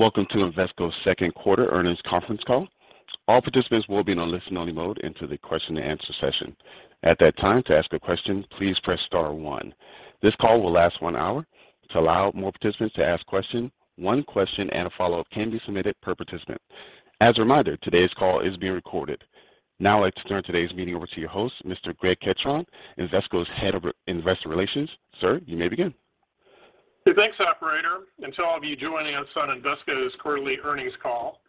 Welcome to Invesco's Second Quarter Earnings Conference Call. All participants will be in a listen-only mode until the question and answer session. At that time, to ask a question, please press star one. This call will last one hour. To allow more participants to ask questions, one question and a follow-up can be submitted per participant. As a reminder, today's call is being recorded. Now I'd like to turn today's meeting over to your host, Mr. Greg Ketron, Invesco's Head of Investor Relations. Sir, you may begin. Hey, thanks, operator, and to all of you joining us on Invesco's quarterly earnings call.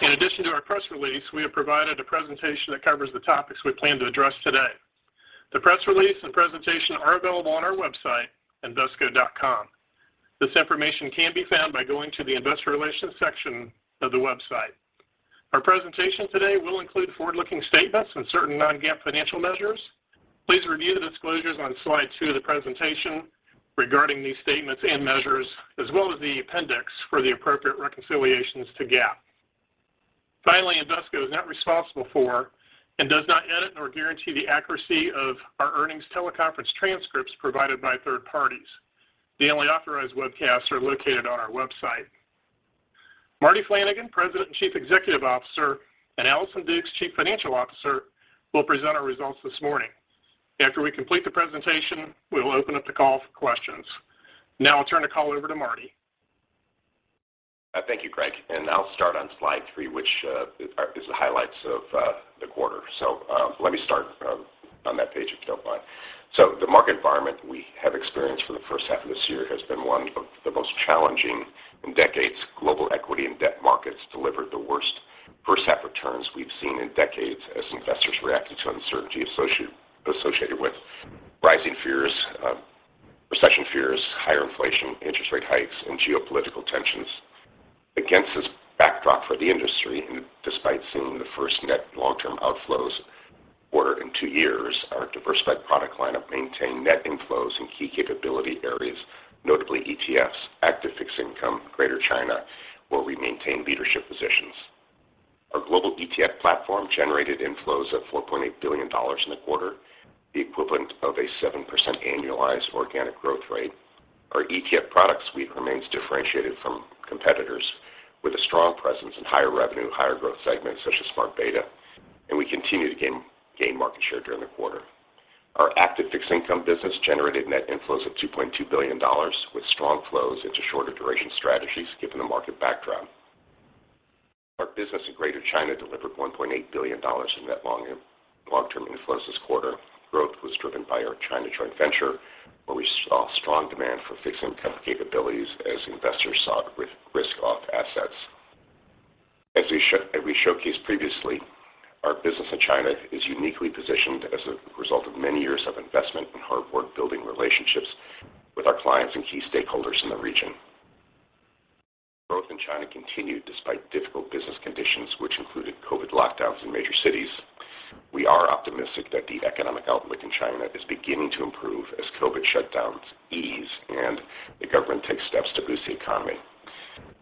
In addition to our press release, we have provided a presentation that covers the topics we plan to address today. The press release and presentation are available on our website, invesco.com. This information can be found by going to the Investor Relations section of the website. Our presentation today will include forward-looking statements and certain non-GAAP financial measures. Please review the disclosures on slide two of the presentation regarding these statements and measures, as well as the appendix for the appropriate reconciliations to GAAP. Finally, Invesco is not responsible for and does not edit nor guarantee the accuracy of our earnings teleconference transcripts provided by third parties. The only authorized webcasts are located on our website. Marty Flanagan, President and Chief Executive Officer, and Allison Dukes, Chief Financial Officer, will present our results this morning. After we complete the presentation, we will open up the call for questions. Now I'll turn the call over to Marty. Thank you, Greg. I'll start on slide 3, which is the highlights of the quarter. Let me start on that page if you don't mind. The market environment we have experienced for the first half of this year has been one of the most challenging in decades. Global equity and debt markets delivered the worst first half returns we've seen in decades as investors reacted to uncertainty associated with rising fears, recession fears, higher inflation, interest rate hikes, and geopolitical tensions. Against this backdrop for the industry, and despite seeing the first net long-term outflows quarter in 2 years, our diversified product lineup maintained net inflows in key capability areas, notably ETFs, active fixed income, Greater China, where we maintain leadership positions. Our global ETF platform generated inflows of $4.8 billion in the quarter, the equivalent of a 7% annualized organic growth rate. Our ETF product suite remains differentiated from competitors with a strong presence in higher revenue, higher growth segments such as smart beta, and we continue to gain market share during the quarter. Our active fixed income business generated net inflows of $2.2 billion with strong flows into shorter duration strategies given the market backdrop. Our business in Greater China delivered $1.8 billion in net long-term inflows this quarter. Growth was driven by our China joint venture, where we saw strong demand for fixed income capabilities as investors sought risk-off assets. As we showcased previously, our business in China is uniquely positioned as a result of many years of investment and hard work building relationships with our clients and key stakeholders in the region. Growth in China continued despite difficult business conditions, which included COVID lockdowns in major cities. We are optimistic that the economic outlook in China is beginning to improve as COVID shutdowns ease and the government takes steps to boost the economy.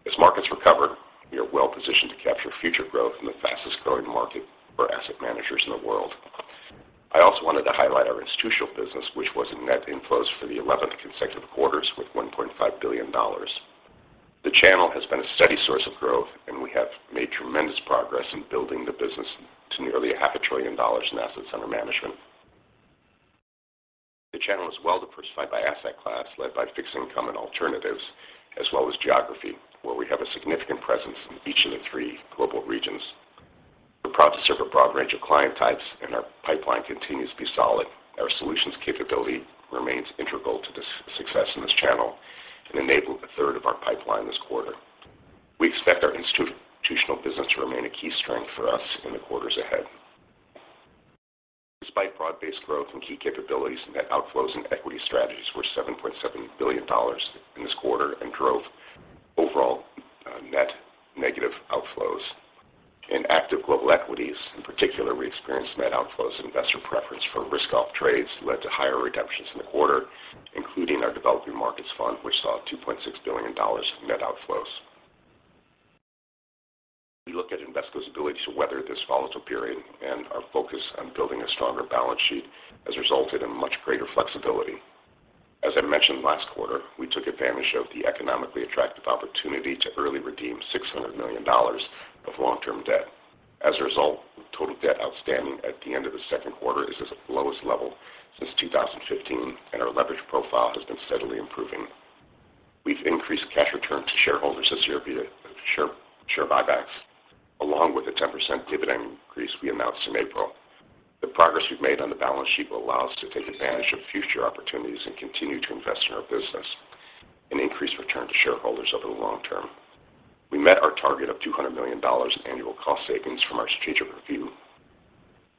As markets recover, we are well positioned to capture future growth in the fastest-growing market for asset managers in the world. I also wanted to highlight our institutional business, which was in net inflows for the eleventh consecutive quarters with $1.5 billion. The channel has been a steady source of growth, and we have made tremendous progress in building the business to nearly half a trillion dollars in assets under management. The channel is well diversified by asset class, led by fixed income and alternatives, as well as geography, where we have a significant presence in each of the three global regions. We're proud to serve a broad range of client types, and our pipeline continues to be solid. Our solutions capability remains integral to the success in this channel and enabled a third of our pipeline this quarter. We expect our institutional business to remain a key strength for us in the quarters ahead. Despite broad-based growth and key capabilities, net outflows in equity strategies were $7.7 billion in this quarter and drove overall, net negative outflows. In active global equities in particular, we experienced net outflows. Investor preference for risk-off trades led to higher redemptions in the quarter, including our developing markets fund, which saw $2.6 billion of net outflows. We look at Invesco's ability to weather this volatile period, and our focus on building a stronger balance sheet has resulted in much greater flexibility. As I mentioned last quarter, we took advantage of the economically attractive opportunity to early redeem $600 million of long-term debt. As a result, total debt outstanding at the end of the second quarter is at the lowest level since 2015, and our leverage profile has been steadily improving. We've increased cash return to shareholders this year via share buybacks, along with the 10% dividend increase we announced in April. The progress we've made on the balance sheet will allow us to take advantage of future opportunities and continue to invest in our business and increase return to shareholders over the long term. We met our target of $200 million in annual cost savings from our strategic review.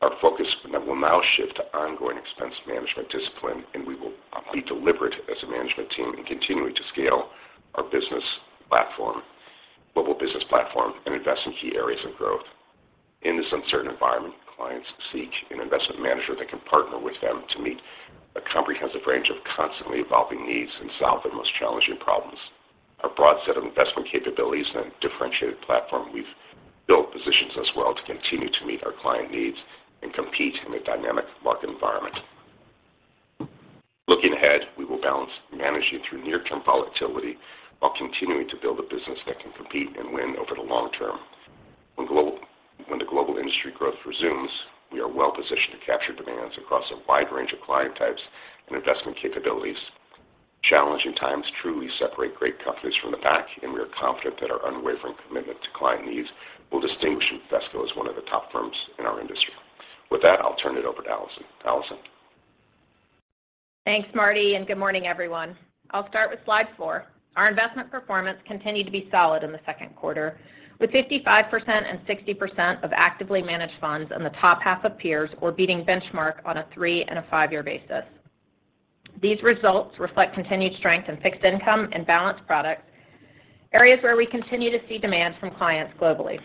Our focus will now shift to ongoing expense management discipline, and we will be deliberate as a management team in continuing to scale our global business platform and invest in key areas of growth. In this uncertain environment, clients seek an investment manager that can partner with them to meet a comprehensive range of constantly evolving needs and solve their most challenging problems. Our broad set of investment capabilities and a differentiated platform we've built positions us well to continue to meet our client needs and compete in a dynamic market environment. Looking ahead, we will balance managing through near-term volatility while continuing to build a business that can compete and win over the long term. When the global industry growth resumes, we are well-positioned to capture demands across a wide range of client types and investment capabilities. Challenging times truly separate great companies from the pack, and we are confident that our unwavering commitment to client needs will distinguish Invesco as one of the top firms in our industry. With that, I'll turn it over to Allison. Allison. Thanks, Marty, and good morning, everyone. I'll start with slide 4. Our investment performance continued to be solid in the second quarter, with 55% and 60% of actively managed funds in the top half of peers or beating benchmark on a 3- and 5-year basis. These results reflect continued strength in fixed income and balanced products, areas where we continue to see demand from clients globally.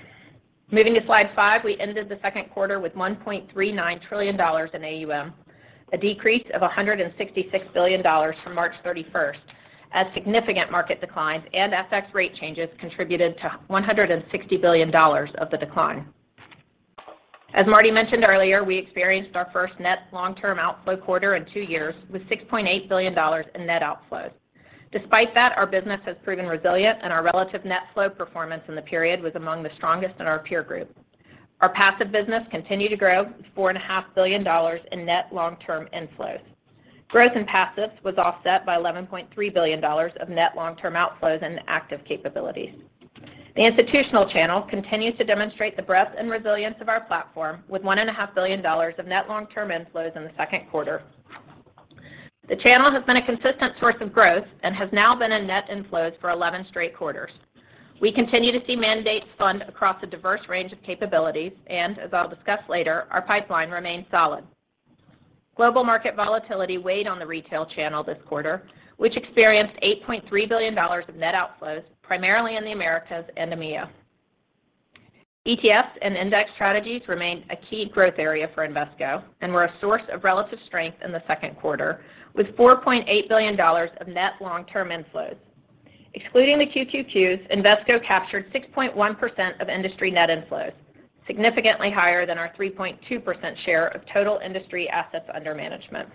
Moving to slide 5, we ended the second quarter with $1.39 trillion in AUM, a decrease of $166 billion from March 31st, as significant market declines and FX rate changes contributed to $160 billion of the decline. As Marty mentioned earlier, we experienced our first net long-term outflow quarter in 2 years, with $6.8 billion in net outflows. Despite that, our business has proven resilient, and our relative net flow performance in the period was among the strongest in our peer group. Our passive business continued to grow with $4.5 billion in net long-term inflows. Growth in passives was offset by $11.3 billion of net long-term outflows in active capabilities. The institutional channel continues to demonstrate the breadth and resilience of our platform, with $1.5 billion of net long-term inflows in the second quarter. The channel has been a consistent source of growth and has now been in net inflows for 11 straight quarters. We continue to see mandates funded across a diverse range of capabilities, and as I'll discuss later, our pipeline remains solid. Global market volatility weighed on the retail channel this quarter, which experienced $8.3 billion of net outflows, primarily in the Americas and EMEA. ETFs and index strategies remained a key growth area for Invesco and were a source of relative strength in the second quarter, with $4.8 billion of net long-term inflows. Excluding the QQQs, Invesco captured 6.1% of industry net inflows, significantly higher than our 3.2% share of total industry assets under management.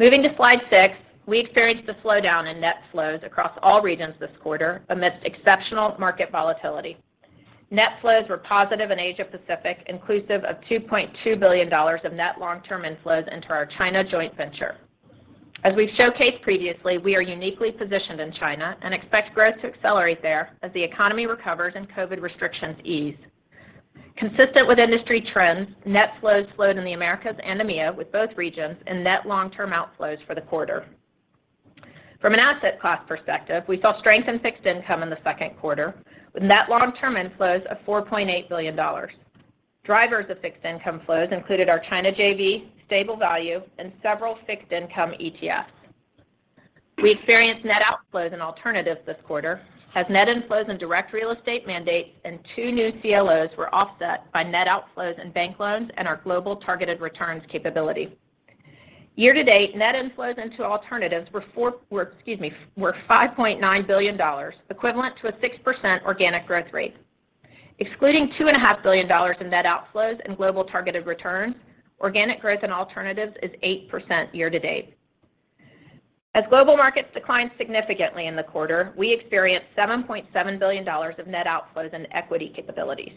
Moving to slide 6, we experienced a slowdown in net flows across all regions this quarter amidst exceptional market volatility. Net flows were positive in Asia Pacific, inclusive of $2.2 billion of net long-term inflows into our China joint venture. As we've showcased previously, we are uniquely positioned in China and expect growth to accelerate there as the economy recovers and COVID restrictions ease. Consistent with industry trends, net flows slowed in the Americas and EMEA, with both regions in net long-term outflows for the quarter. From an asset class perspective, we saw strength in fixed income in the second quarter, with net long-term inflows of $4.8 billion. Drivers of fixed income flows included our China JV, stable value, and several fixed income ETFs. We experienced net outflows in alternatives this quarter, as net inflows in direct real estate mandates and two new CLOs were offset by net outflows in bank loans and our global targeted returns capability. Year-to-date, net inflows into alternatives were $5.9 billion, equivalent to a 6% organic growth rate. Excluding two and a half billion dollars in net outflows in global targeted returns, organic growth in alternatives is 8% year-to-date. As global markets declined significantly in the quarter, we experienced $7.7 billion of net outflows in equity capabilities.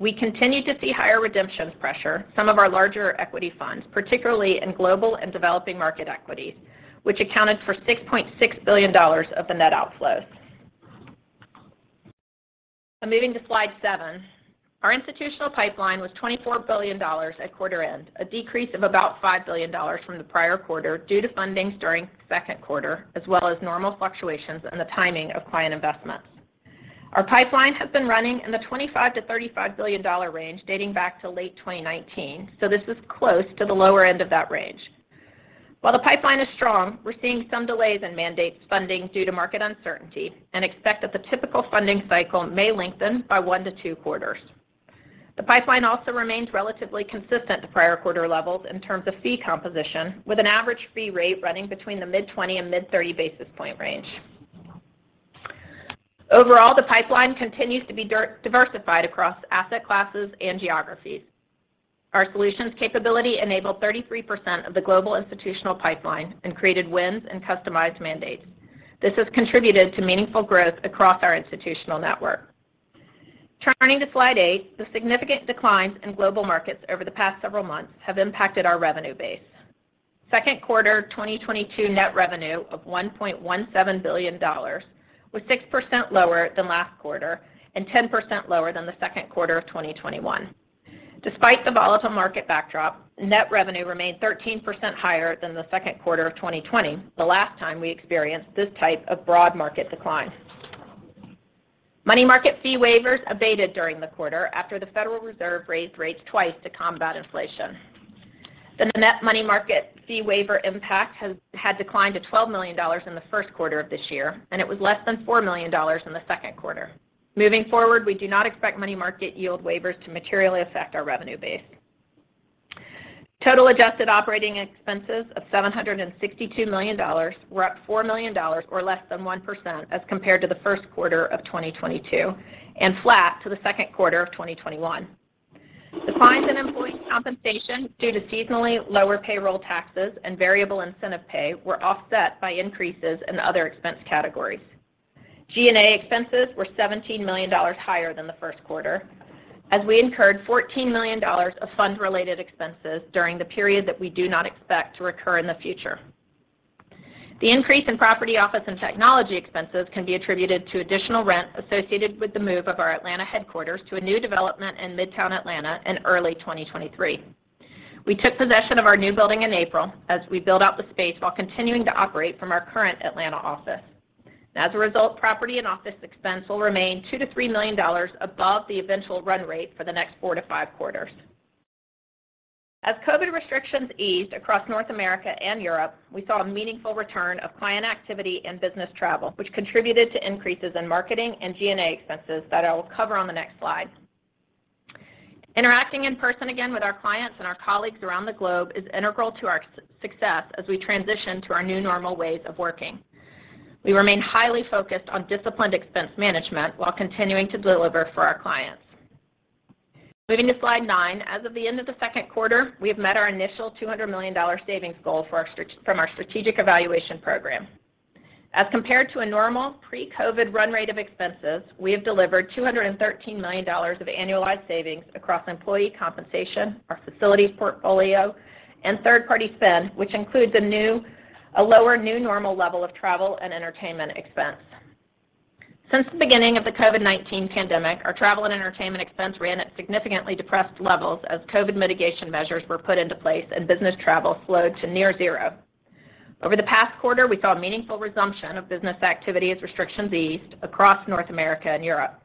We continued to see higher redemptions pressure some of our larger equity funds, particularly in global and developing market equities, which accounted for $6.6 billion of the net outflows. Now moving to slide 7. Our institutional pipeline was $24 billion at quarter-end, a decrease of about $5 billion from the prior quarter due to fundings during second quarter, as well as normal fluctuations in the timing of client investments. Our pipeline has been running in the $25 to $35 billion dollar range dating back to late 2019, so this is close to the lower end of that range. While the pipeline is strong, we're seeing some delays in mandates funding due to market uncertainty and expect that the typical funding cycle may lengthen by one to two quarters. The pipeline also remains relatively consistent to prior quarter levels in terms of fee composition, with an average fee rate running between the mid-20 and mid-30 basis point range. Overall, the pipeline continues to be diversified across asset classes and geographies. Our solutions capability enabled 33% of the global institutional pipeline and created wins in customized mandates. This has contributed to meaningful growth across our institutional network. Turning to slide 8, the significant declines in global markets over the past several months have impacted our revenue base. Second quarter 2022 net revenue of $1.17 billion was 6% lower than last quarter and 10% lower than the second quarter of 2021. Despite the volatile market backdrop, net revenue remained 13% higher than the second quarter of 2020, the last time we experienced this type of broad market decline. Money market fee waivers abated during the quarter after the Federal Reserve raised rates twice to combat inflation. The net money market fee waiver impact has declined to $12 million in the first quarter of this year, and it was less than $4 million in the second quarter. Moving forward, we do not expect money market yield waivers to materially affect our revenue base. Total adjusted operating expenses of $762 million were up $4 million, or less than 1% as compared to the first quarter of 2022 and flat to the second quarter of 2021. The declines in employee compensation due to seasonally lower payroll taxes and variable incentive pay were offset by increases in other expense categories. G&A expenses were $17 million higher than the first quarter as we incurred $14 million of fund-related expenses during the period that we do not expect to recur in the future. The increase in property office and technology expenses can be attributed to additional rent associated with the move of our Atlanta headquarters to a new development in Midtown Atlanta in early 2023. We took possession of our new building in April as we build out the space while continuing to operate from our current Atlanta office. As a result, property and office expense will remain $2 to $3 million above the eventual run rate for the next four to five quarters. As COVID restrictions eased across North America and Europe, we saw a meaningful return of client activity and business travel, which contributed to increases in marketing and G&A expenses that I will cover on the next slide. Interacting in person again with our clients and our colleagues around the globe is integral to our success as we transition to our new normal ways of working. We remain highly focused on disciplined expense management while continuing to deliver for our clients. Moving to slide 9, as of the end of the second quarter, we have met our initial $200 million savings goal from our strategic evaluation program. As compared to a normal pre-COVID run rate of expenses, we have delivered $213 million of annualized savings across employee compensation, our facilities portfolio, and third-party spend, which includes a lower new normal level of travel and entertainment expense. Since the beginning of the COVID-19 pandemic, our travel and entertainment expense ran at significantly depressed levels as COVID mitigation measures were put into place and business travel slowed to near zero. Over the past quarter, we saw a meaningful resumption of business activity as restrictions eased across North America and Europe.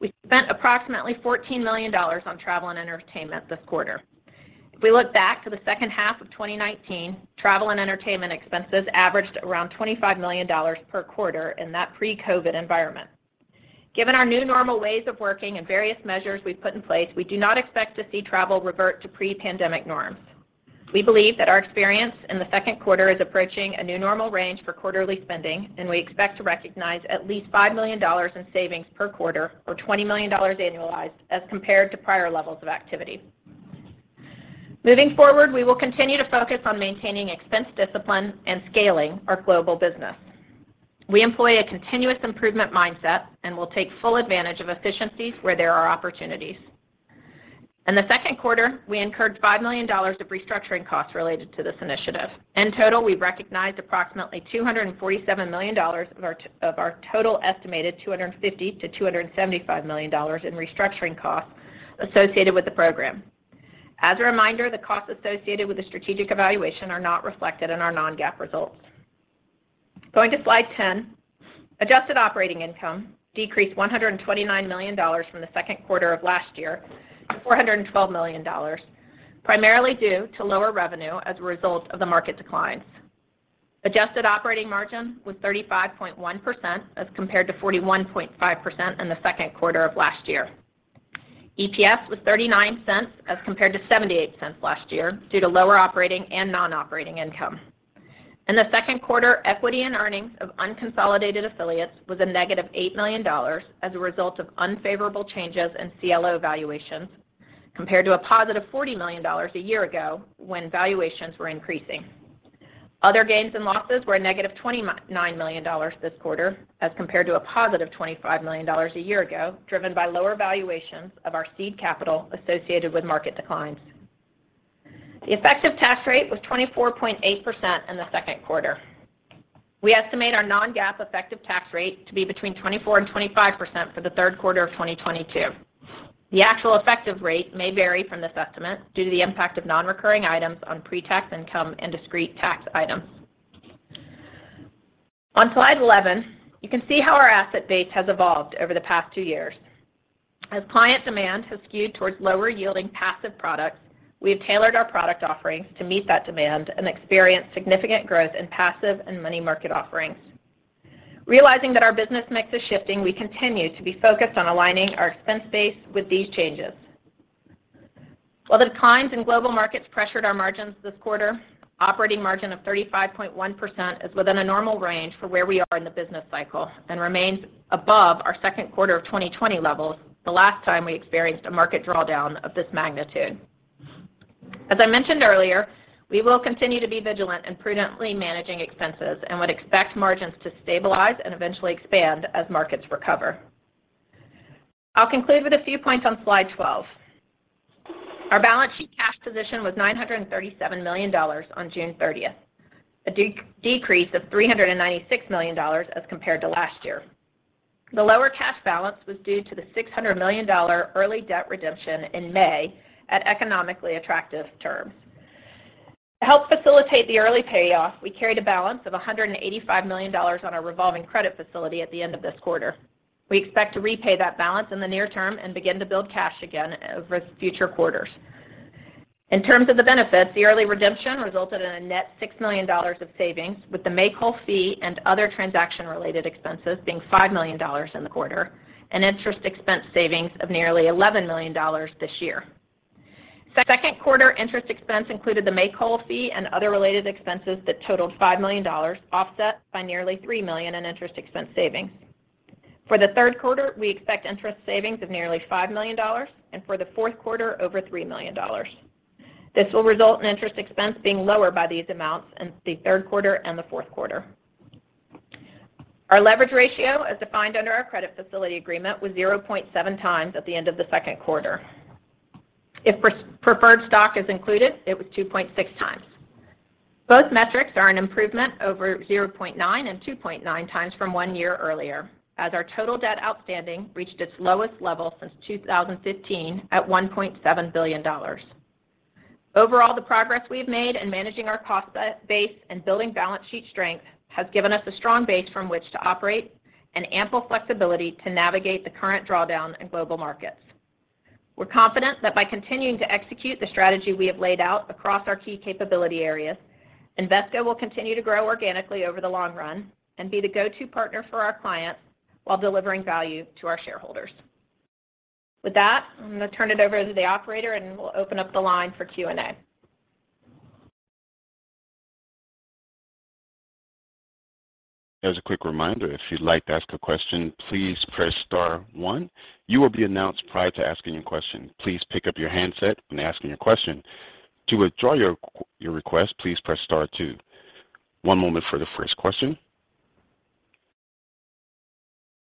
We spent approximately $14 million on travel and entertainment this quarter. If we look back to the second half of 2019, travel and entertainment expenses averaged around $25 million per quarter in that pre-COVID environment. Given our new normal ways of working and various measures we've put in place, we do not expect to see travel revert to pre-pandemic norms. We believe that our experience in the second quarter is approaching a new normal range for quarterly spending, and we expect to recognize at least $5 million in savings per quarter, or $20 million annualized, as compared to prior levels of activity. Moving forward, we will continue to focus on maintaining expense discipline and scaling our global business. We employ a continuous improvement mindset and will take full advantage of efficiencies where there are opportunities. In the second quarter, we incurred $5 million of restructuring costs related to this initiative. In total, we recognized approximately $247 million of our total estimated $250 to $275 million in restructuring costs associated with the program. As a reminder, the costs associated with the strategic evaluation are not reflected in our non-GAAP results. Going to slide 10, adjusted operating income decreased $129 million from the second quarter of last year to $412 million, primarily due to lower revenue as a result of the market declines. Adjusted operating margin was 35.1% as compared to 41.5% in the second quarter of last year. EPS was $0.39 as compared to $0.78 last year due to lower operating and non-operating income. In the second quarter, equity and earnings of unconsolidated affiliates was a negative $8 million as a result of unfavorable changes in CLO valuations compared to a positive $40 million a year ago when valuations were increasing. Other gains and losses were a negative $29 million this quarter as compared to a positive $25 million a year ago, driven by lower valuations of our seed capital associated with market declines. The effective tax rate was 24.8% in the second quarter. We estimate our non-GAAP effective tax rate to be 24%-25% for the third quarter of 2022. The actual effective rate may vary from this estimate due to the impact of non-recurring items on pre-tax income and discrete tax items. On slide 11, you can see how our asset base has evolved over the past two years. As client demand has skewed towards lower yielding passive products, we have tailored our product offerings to meet that demand and experienced significant growth in passive and money market offerings. Realizing that our business mix is shifting, we continue to be focused on aligning our expense base with these changes. While the declines in global markets pressured our margins this quarter, operating margin of 35.1% is within a normal range for where we are in the business cycle and remains above our second quarter of 2020 levels the last time we experienced a market drawdown of this magnitude. As I mentioned earlier, we will continue to be vigilant in prudently managing expenses and would expect margins to stabilize and eventually expand as markets recover. I'll conclude with a few points on slide 12. Our balance sheet cash position was $937 million on June 30th, a decrease of $396 million as compared to last year. The lower cash balance was due to the $600 million early debt redemption in May at economically attractive terms. To help facilitate the early payoff, we carried a balance of $185 million on our revolving credit facility at the end of this quarter. We expect to repay that balance in the near term and begin to build cash again over future quarters. In terms of the benefits, the early redemption resulted in a net $6 million of savings with the make-whole fee and other transaction-related expenses being $5 million in the quarter and interest expense savings of nearly $11 million this year. Second quarter interest expense included the make-whole fee and other related expenses that totaled $5 million, offset by nearly $3 million in interest expense savings. For the third quarter, we expect interest savings of nearly $5 million, and for the fourth quarter, over $3 million. This will result in interest expense being lower by these amounts in the third quarter and the fourth quarter. Our leverage ratio, as defined under our credit facility agreement, was 0.7 times at the end of the second quarter. If pre-preferred stock is included, it was 2.6 times. Both metrics are an improvement over 0.9 and 2.9 times from one year earlier, as our total debt outstanding reached its lowest level since 2015 at $1.7 billion. Overall, the progress we've made in managing our cost base and building balance sheet strength has given us a strong base from which to operate and ample flexibility to navigate the current drawdown in global markets. We're confident that by continuing to execute the strategy we have laid out across our key capability areas, Invesco will continue to grow organically over the long run and be the go-to partner for our clients while delivering value to our shareholders. With that, I'm going to turn it over to the operator, and we'll open up the line for Q&A. As a quick reminder, if you'd like to ask a question, please press star one. You will be announced prior to asking your question. Please pick up your handset when asking your question. To withdraw your request, please press star two. One moment for the first question.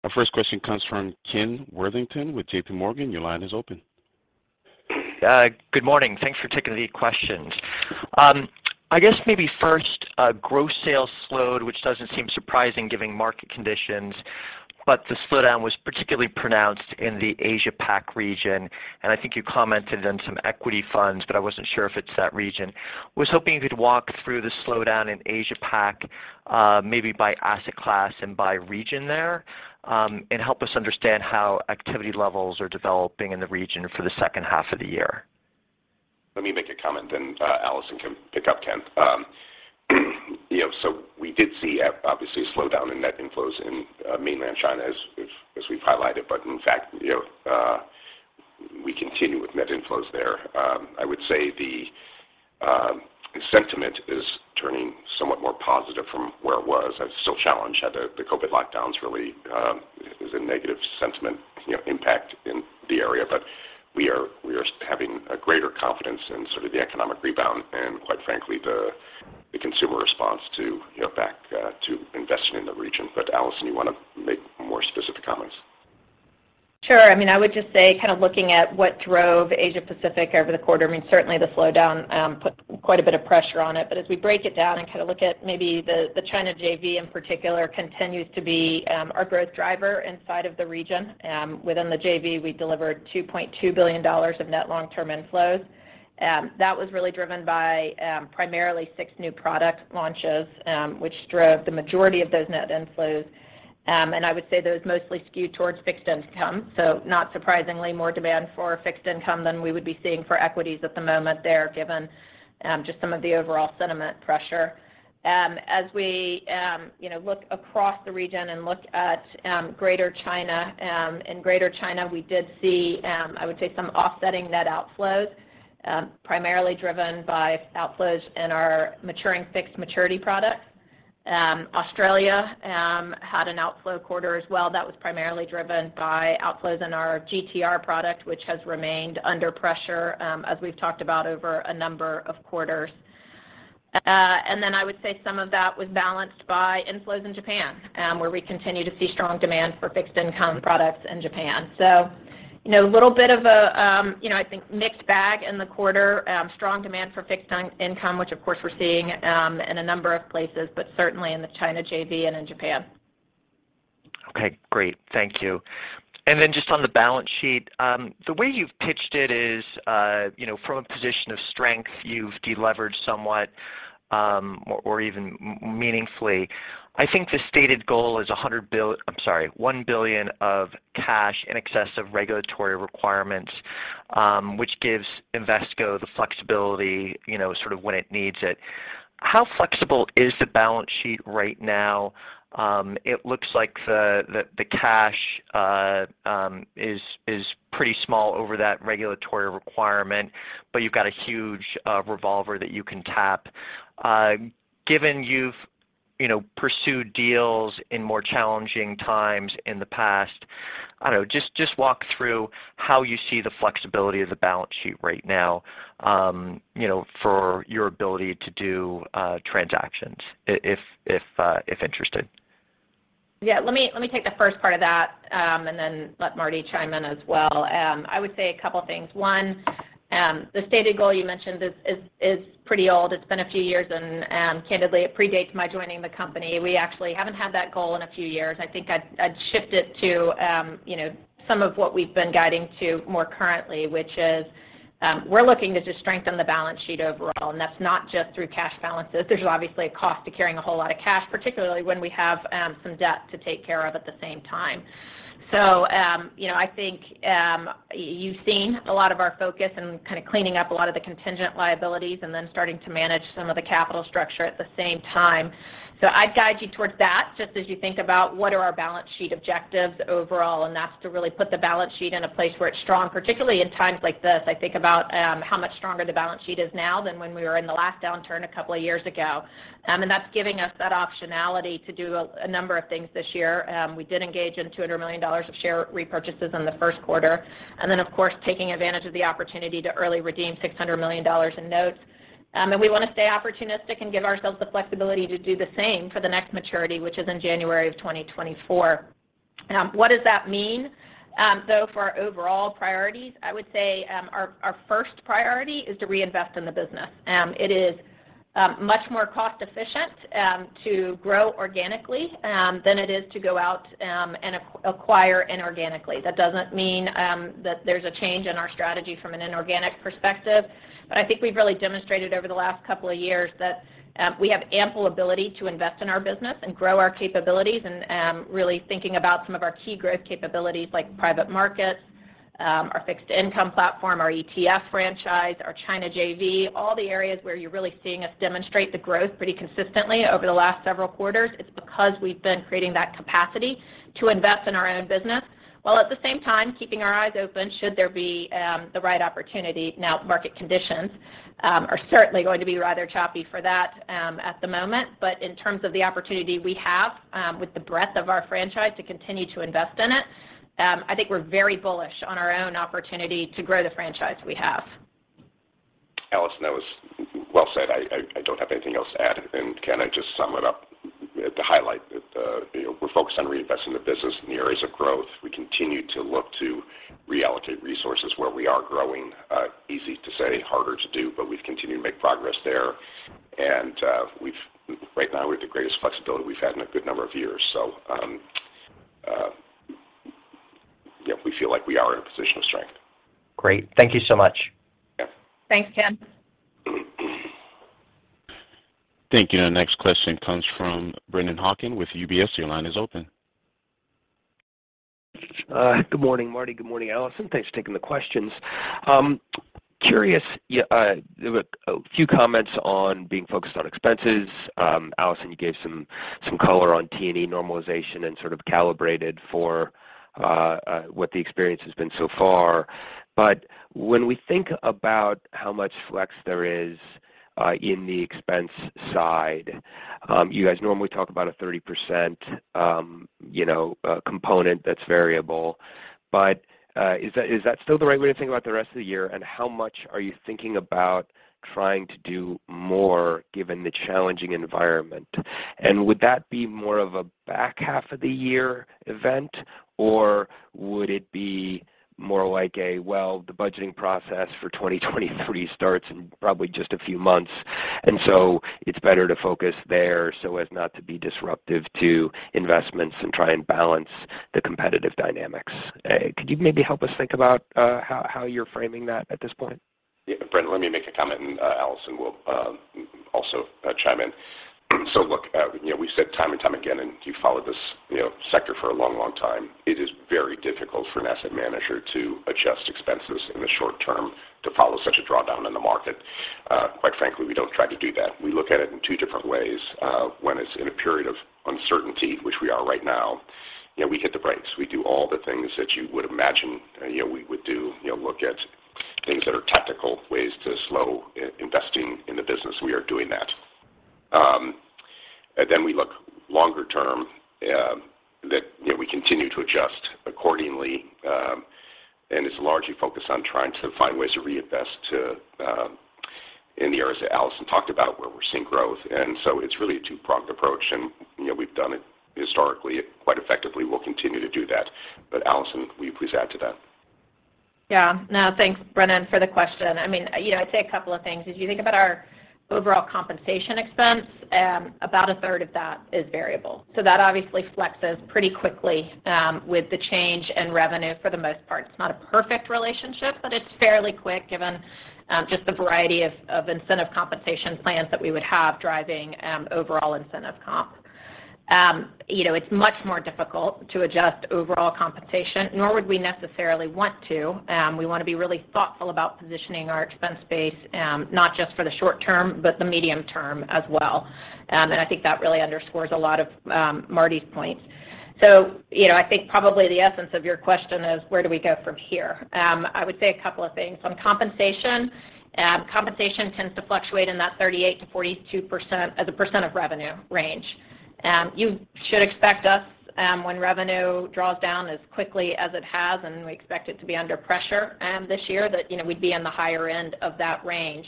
Our first question comes from Ken Worthington with JP Morgan. Your line is open. Good morning. Thanks for taking the questions. I guess maybe first, gross sales slowed, which doesn't seem surprising given market conditions, but the slowdown was particularly pronounced in the Asia Pac region, and I think you commented on some equity funds, but I wasn't sure if it's that region. Was hoping you could walk through the slowdown in Asia Pac, maybe by asset class and by region there, and help us understand how activity levels are developing in the region for the second half of the year? Let me make a comment, Allison can pick up, Ken. You know, we did see obviously a slowdown in net inflows in mainland China as we've highlighted. In fact, you know, we continue with net inflows there. I would say the sentiment is turning somewhat more positive from where it was. It's still challenged. The COVID lockdowns really is a negative sentiment, you know, impact in the area. We are having a greater confidence in sort of the economic rebound and, quite frankly, the consumer response to, you know, back to investing in the region. Allison, you want to make more specific comments? Sure. I mean, I would just say kind of looking at what drove Asia Pacific over the quarter. I mean, certainly the slowdown put quite a bit of pressure on it. As we break it down and kind of look at maybe the China JV in particular continues to be our growth driver inside of the region. Within the JV, we delivered $2.2 billion of net long-term inflows. That was really driven by primarily six new product launches, which drove the majority of those net inflows. I would say those mostly skewed towards fixed income. Not surprisingly, more demand for fixed income than we would be seeing for equities at the moment there, given just some of the overall sentiment pressure. As we, you know, look across the region and look at Greater China, in Greater China, we did see, I would say, some offsetting net outflows, primarily driven by outflows in our maturing fixed maturity products. Australia had an outflow quarter as well. That was primarily driven by outflows in our GTR product, which has remained under pressure, as we've talked about over a number of quarters. Then I would say some of that was balanced by inflows in Japan, where we continue to see strong demand for fixed income products in Japan. You know, a little bit of a, you know, I think mixed bag in the quarter. Strong demand for fixed income, which of course we're seeing, in a number of places, but certainly in the China JV and in Japan. Okay, great. Thank you. Then just on the balance sheet, the way you've pitched it is, you know, from a position of strength, you've deleveraged somewhat, or even meaningfully. I think the stated goal is $1 billion of cash in excess of regulatory requirements, which gives Invesco the flexibility, you know, sort of when it needs it. How flexible is the balance sheet right now? It looks like the cash is pretty small over that regulatory requirement, but you've got a huge revolver that you can tap. Given you've, you know, pursued deals in more challenging times in the past, I don't know, just walk through how you see the flexibility of the balance sheet right now, you know, for your ability to do transactions, if interested. Yeah, let me take the first part of that, and then let Marty chime in as well. I would say a couple things. One, the stated goal you mentioned is pretty old. It's been a few years, and candidly, it predates my joining the company. We actually haven't had that goal in a few years. I think I'd shift it to, you know, some of what we've been guiding to more currently, which is, we're looking to just strengthen the balance sheet overall, and that's not just through cash balances. There's obviously a cost to carrying a whole lot of cash, particularly when we have some debt to take care of at the same time. You know, I think you've seen a lot of our focus in kind of cleaning up a lot of the contingent liabilities and then starting to manage some of the capital structure at the same time. I'd guide you towards that just as you think about what are our balance sheet objectives overall, and that's to really put the balance sheet in a place where it's strong, particularly in times like this. I think about how much stronger the balance sheet is now than when we were in the last downturn a couple of years ago. That's giving us that optionality to do a number of things this year. We did engage in $200 million of share repurchases in the first quarter, and then of course, taking advantage of the opportunity to early redeem $600 million in notes. We want to stay opportunistic and give ourselves the flexibility to do the same for the next maturity, which is in January 2024. What does that mean? For our overall priorities, I would say, our first priority is to reinvest in the business. It is much more cost efficient to grow organically than it is to go out and acquire inorganically. That doesn't mean that there's a change in our strategy from an inorganic perspective, but I think we've really demonstrated over the last couple of years that we have ample ability to invest in our business and grow our capabilities and really thinking about some of our key growth capabilities like private markets, our fixed income platform, our ETF franchise, our China JV, all the areas where you're really seeing us demonstrate the growth pretty consistently over the last several quarters. It's because we've been creating that capacity to invest in our own business, while at the same time keeping our eyes open should there be the right opportunity. Now, market conditions are certainly going to be rather choppy for that at the moment. In terms of the opportunity we have, with the breadth of our franchise to continue to invest in it, I think we're very bullish on our own opportunity to grow the franchise we have. Allison Dukes, that was well said. I don't have anything else to add. Can I just sum it up to highlight that, you know, we're focused on reinvesting the business in the areas of growth. We continue to look to reallocate resources where we are growing. Easy to say, harder to do, but we've continued to make progress there. Right now we have the greatest flexibility we've had in a good number of years. Yeah, we feel like we are in a position of strength. Great. Thank you so much. Yeah. Thanks, Ken. Thank you. Our next question comes from Brennan Hawken with UBS. Your line is open. Good morning, Marty. Good morning, Allison. Thanks for taking the questions. Curious, there were a few comments on being focused on expenses. Allison, you gave some color on T&E normalization and sort of calibrated for what the experience has been so far. When we think about how much flex there is in the expense side, you guys normally talk about a 30% you know component that's variable. Is that still the right way to think about the rest of the year, and how much are you thinking about trying to do more given the challenging environment? Would that be more of a back half of the year event, or would it be more like well, the budgeting process for 2023 starts in probably just a few months, and so it's better to focus there so as not to be disruptive to investments and try and balance the competitive dynamics? Could you maybe help us think about how you're framing that at this point? Yeah. Brennan, let me make a comment, and Allison will also chime in. Look, you know, we've said time and time again, and you followed this, you know, sector for a long, long time, it is very difficult for an asset manager to adjust expenses in the short term to follow such a drawdown in the market. Quite frankly, we don't try to do that. We look at it in two different ways. When it's in a period of uncertainty, which we are right now, you know, we hit the brakes. We do all the things that you would imagine, you know, we would do. You know, look at things that are tactical ways to slow investing in the business. We are doing that. We look longer term, that, you know, we continue to adjust accordingly, and it's largely focused on trying to find ways to reinvest to, in the areas that Allison talked about where we're seeing growth. It's really a two-pronged approach. You know, we've done it historically quite effectively. We'll continue to do that. Allison, will you please add to that? Yeah. No. Thanks, Brennan, for the question. I mean, you know, I'd say a couple of things. If you think about our overall compensation expense, about a third of that is variable. So that obviously flexes pretty quickly, with the change in revenue for the most part. It's not a perfect relationship, but it's fairly quick given just the variety of incentive compensation plans that we would have driving overall incentive comp. You know, it's much more difficult to adjust overall compensation, nor would we necessarily want to. We want to be really thoughtful about positioning our expense base, not just for the short term, but the medium term as well. I think that really underscores a lot of Marty's points. So, you know, I think probably the essence of your question is where do we go from here? I would say a couple of things. On compensation tends to fluctuate in that 38%-42% as a percent of revenue range. You should expect us, when revenue draws down as quickly as it has, and we expect it to be under pressure, this year, that, you know, we'd be in the higher end of that range.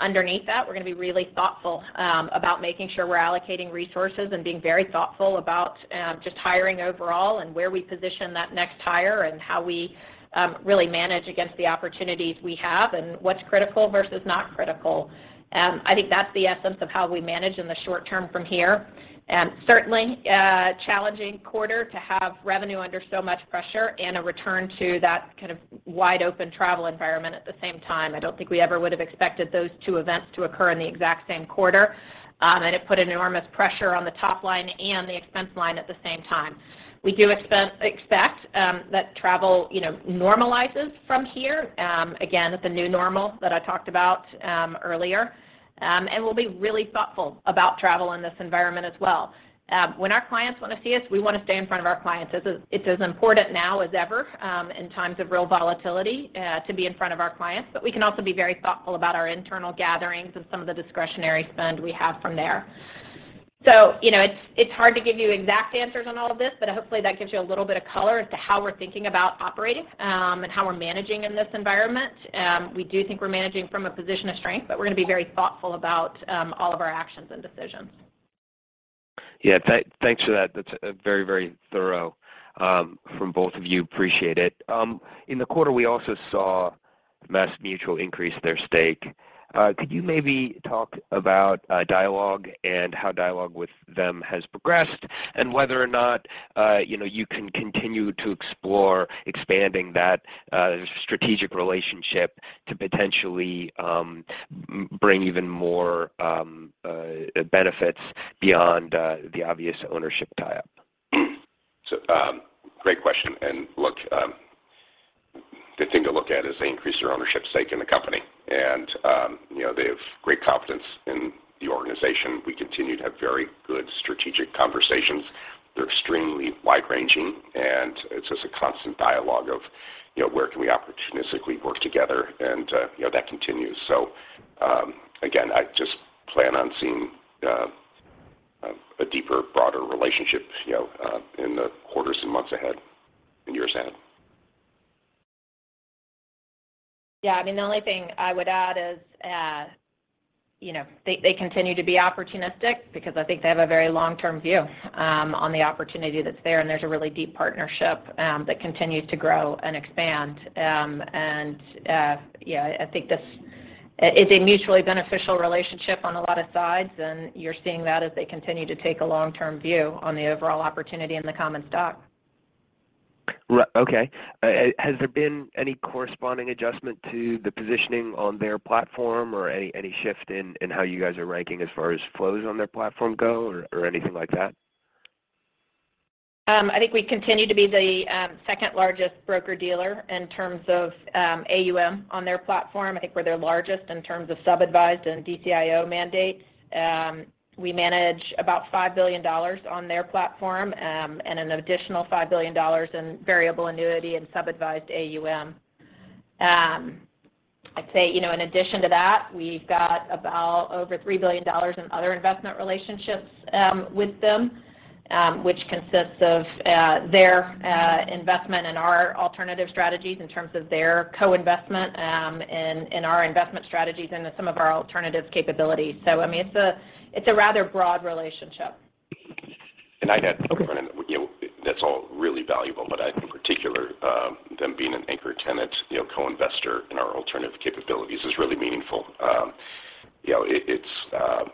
Underneath that, we're gonna be really thoughtful, about making sure we're allocating resources and being very thoughtful about, just hiring overall and where we position that next hire and how we, really manage against the opportunities we have and what's critical versus not critical. I think that's the essence of how we manage in the short term from here. Certainly a challenging quarter to have revenue under so much pressure and a return to that kind of wide open travel environment at the same time. I don't think we ever would have expected those two events to occur in the exact same quarter. It put enormous pressure on the top line and the expense line at the same time. We do expect that travel, you know, normalizes from here, again, at the new normal that I talked about earlier. We'll be really thoughtful about travel in this environment as well. When our clients want to see us, we want to stay in front of our clients. It's as important now as ever, in times of real volatility, to be in front of our clients. We can also be very thoughtful about our internal gatherings and some of the discretionary spend we have from there. You know, it's hard to give you exact answers on all of this, but hopefully that gives you a little bit of color as to how we're thinking about operating, and how we're managing in this environment. We do think we're managing from a position of strength, but we're gonna be very thoughtful about all of our actions and decisions. Yeah. Thanks for that. That's very, very thorough from both of you. Appreciate it. In the quarter, we also saw MassMutual increase their stake. Could you maybe talk about dialogue and how dialogue with them has progressed, and whether or not you know you can continue to explore expanding that strategic relationship to potentially bring even more benefits beyond the obvious ownership tie-up? Great question. Look, the thing to look at is they increased their ownership stake in the company. You know, they have great confidence in the organization. We continue to have very good strategic conversations. They're extremely wide-ranging, and it's just a constant dialogue of, you know, where can we opportunistically work together, and, you know, that continues. Again, I just plan on seeing a deeper, broader relationship, you know, in the quarters and months ahead, and years ahead. Yeah. I mean, the only thing I would add is, you know, they continue to be opportunistic because I think they have a very long-term view on the opportunity that's there, and there's a really deep partnership that continues to grow and expand. Yeah, I think that's it. It's a mutually beneficial relationship on a lot of sides, and you're seeing that as they continue to take a long-term view on the overall opportunity in the common stock. Okay. Has there been any corresponding adjustment to the positioning on their platform or any shift in how you guys are ranking as far as flows on their platform go or anything like that? I think we continue to be the second-largest broker-dealer in terms of AUM on their platform. I think we're their largest in terms of sub-advised and DCIO mandates. We manage about $5 billion on their platform, and an additional $5 billion in variable annuity and sub-advised AUM. I'd say, you know, in addition to that, we've got about over $3 billion in other investment relationships with them, which consists of their investment in our alternative strategies in terms of their co-investment in our investment strategies into some of our alternatives capabilities. I mean, it's a rather broad relationship. I'd add, you know, that's all really valuable, but I think particularly them being an anchor tenant, you know, co-investor in our alternative capabilities is really meaningful. You know, it's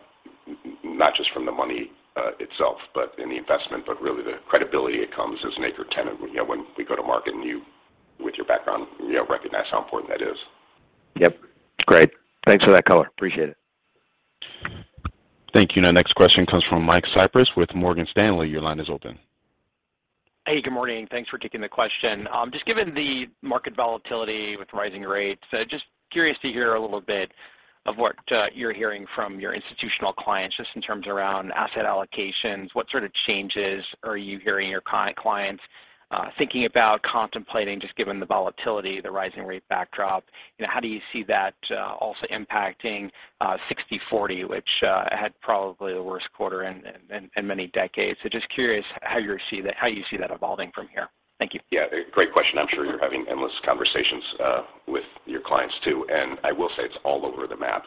not just from the money itself, but in the investment, really the credibility it brings as an anchor tenant when, you know, when we go to market, and you, with your background, you know, recognize how important that is. Yep. Great. Thanks for that color. Appreciate it. Thank you. Now next question comes from Michael Cyprys with Morgan Stanley. Your line is open. Hey, good morning. Thanks for taking the question. Just given the market volatility with rising rates, just curious to hear a little bit of what you're hearing from your institutional clients, just in terms around asset allocations. What sort of changes are you hearing your clients thinking about contemplating, just given the volatility, the rising rate backdrop? You know, how do you see that also impacting 60/40, which had probably the worst quarter in many decades? Just curious how you see that evolving from here. Thank you. Yeah. Great question. I'm sure you're having endless conversations with your clients too, and I will say it's all over the map.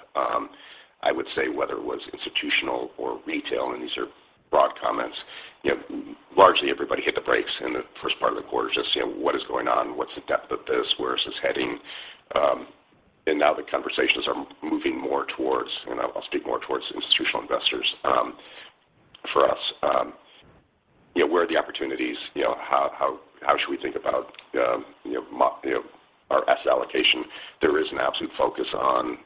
I would say whether it was institutional or retail, and these are broad comments, you know, largely everybody hit the brakes in the first part of the quarter just seeing what is going on, what's the depth of this, where is this heading. Now the conversations are moving more towards, and I'll speak more towards institutional investors for us. You know, where are the opportunities? You know, how should we think about you know, our asset allocation? There is an absolute focus on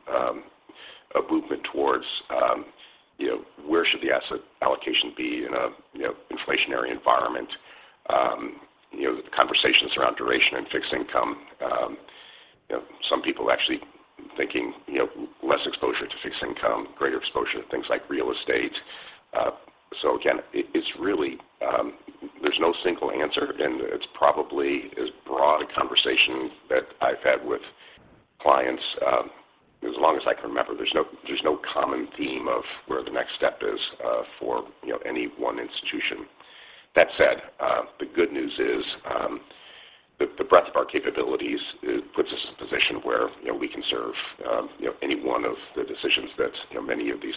a movement towards you know, where should the asset allocation be in a you know, inflationary environment? You know, the conversations around duration and fixed income, you know, some people actually thinking, you know, less exposure to fixed income, greater exposure to things like real estate. Again, it's really, there's no single answer, and it's probably as broad a conversation that I've had with clients, as long as I can remember. There's no common theme of where the next step is, for, you know, any one institution. That said, the good news is, the breadth of our capabilities, puts us in a position where, you know, we can serve, you know, any one of the decisions that, you know, many of these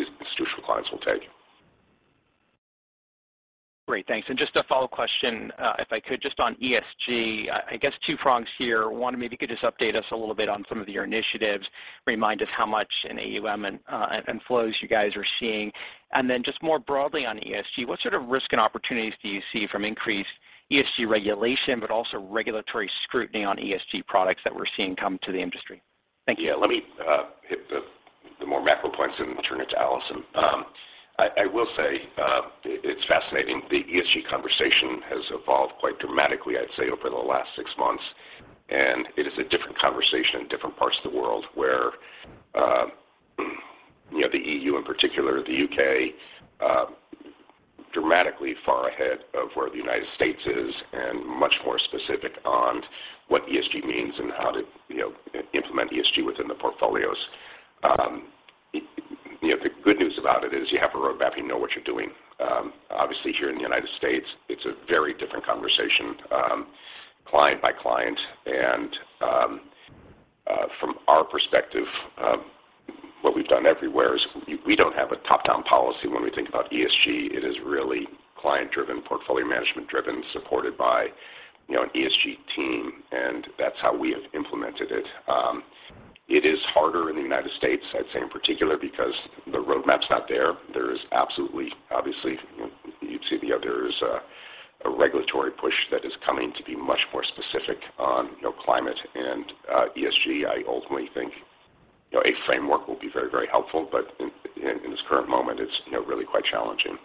these institutional clients will take. Great. Thanks. Just a follow question, if I could, just on ESG. I guess two prongs here. One, maybe you could just update us a little bit on some of your initiatives, remind us how much in AUM and flows you guys are seeing. Then just more broadly on ESG, what sort of risk and opportunities do you see from increased ESG regulation, but also regulatory scrutiny on ESG products that we're seeing come to the industry? Thank you. Yeah. Let me hit the more macro points and then turn it to Allison. I will say, it's fascinating. The ESG conversation has evolved quite dramatically, I'd say, over the last six months, and it is a different conversation in different parts of the world where, you know, the EU in particular, the UK, exactly far ahead of where the United States is and much more specific on what ESG means and how to, you know, implement ESG within the portfolios. The good news about it is you have a roadmap, you know what you're doing. Obviously here in the United States, it's a very different conversation, client by client. From our perspective, what we've done everywhere is we don't have a top-down policy when we think about ESG. It is really client-driven, portfolio management driven, supported by, you know, an ESG team, and that's how we have implemented it. It is harder in the United States, I'd say in particular because the roadmap's not there. There is absolutely, obviously, you know, you'd see the others, a regulatory push that is coming to be much more specific on, you know, climate and, ESG. I ultimately think, you know, a framework will be very, very helpful, but in this current moment, it's, you know, really quite challenging.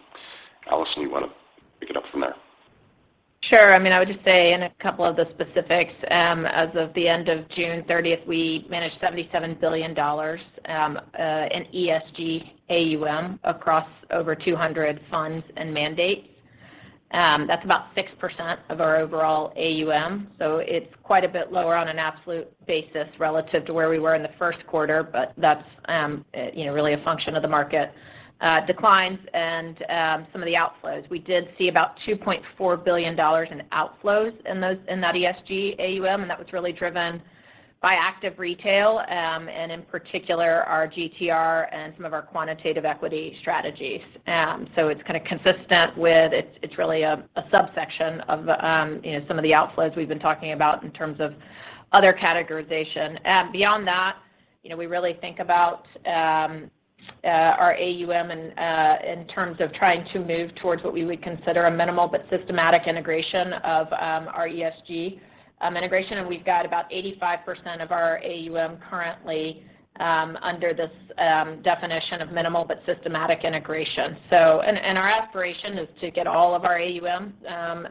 Allison, you wanna pick it up from there? Sure. I mean, I would just say in a couple of the specifics, as of the end of June 30th, we managed $77 billion in ESG AUM across over 200 funds and mandates. That's about 6% of our overall AUM, so it's quite a bit lower on an absolute basis relative to where we were in the first quarter, but that's, you know, really a function of the market declines and some of the outflows. We did see about $2.4 billion in outflows in that ESG AUM, and that was really driven by active retail, and in particular our GTR and some of our quantitative equity strategies. It's kinda consistent with. It's really a subsection of, you know, some of the outflows we've been talking about in terms of other categorization. Beyond that, you know, we really think about our AUM in terms of trying to move towards what we would consider a minimal but systematic integration of our ESG integration. We've got about 85% of our AUM currently under this definition of minimal but systematic integration. Our aspiration is to get all of our AUM